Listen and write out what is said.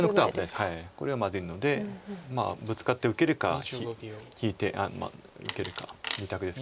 これはまずいのでブツカって受けるか引いて受けるか２択ですけど。